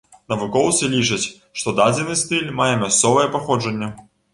Навукоўцы лічаць, што дадзены стыль мае мясцовае паходжанне.